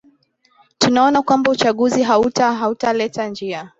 tunaona kwamba uchaguzi hauta hautaleta njia